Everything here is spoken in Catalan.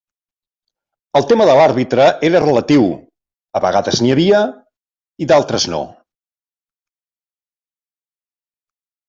El tema de l'àrbitre era relatiu, a vegades n'hi havia i d'altres no.